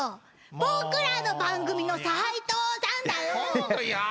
僕らの番組の斉藤さんだよ！